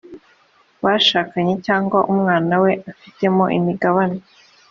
bashakanye cyangwa umwana we afitemo imigabane